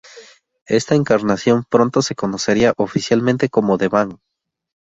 Esta encarnación pronto se conocería oficialmente como The Band.